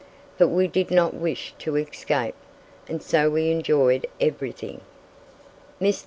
But we did not wish to escape, and so we enjoyed everything. Mr.